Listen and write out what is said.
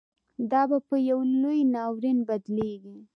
دا پـه يـو لـوى نـاوريـن بـدليږي.